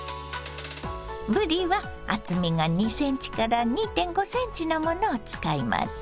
ぶりは厚みが２ｃｍから２．５ｃｍのものを使います。